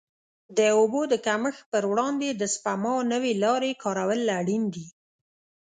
د اوبو د کمښت پر وړاندې د سپما نوې لارې کارول اړین دي.